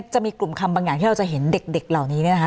จะมีกลุ่มคำบางอย่างที่เราจะเห็นเด็กเหล่านี้